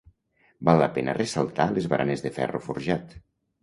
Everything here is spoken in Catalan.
Val la pena ressaltar les baranes de ferro forjat.